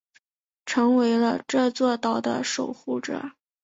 成为了这座岛的守护者。